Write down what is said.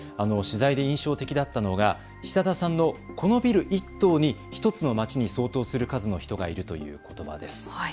取材で印象的だったのが久田さんのこのビル１棟に１つの街に相当する数の人がいるということばです。